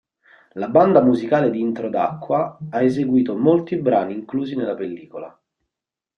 La banda musicale di Introdacqua ha eseguito molti brani inclusi nella pellicola.